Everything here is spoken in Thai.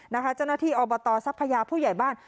เจ้าหน้าที่อบตทรัพยาผู้ใหญ่บ้าน